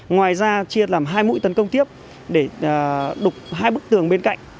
ngoài ra chia làm hai mũi tấn công tiếp để đục hai bức tường bên cạnh